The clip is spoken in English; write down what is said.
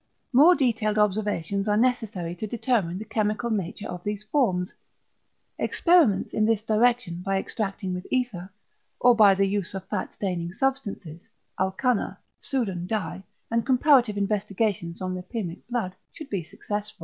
More detailed observations are necessary to determine the chemical nature of these forms. Experiments in this direction by extraction with ether, or by the use of fat staining substances, alkanna, Soudan dye, and comparative investigations on lipæmic blood should be successful.